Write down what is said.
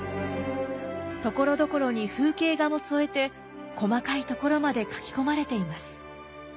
ところどころに風景画も添えて細かい所まで描き込まれています。